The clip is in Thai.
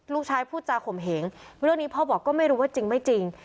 พูดจาข่มเหงเรื่องนี้พ่อบอกก็ไม่รู้ว่าจริงไม่จริง